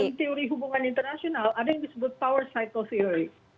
jadi dalam teori hubungan internasional ada yang disebut power cycle theory